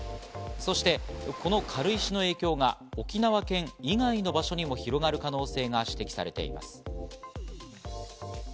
そしてこの軽石の影響が沖縄県以外の場所にも広がる可能性が指摘されています。